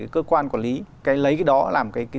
cơ quan quản lý lấy cái đó làm cái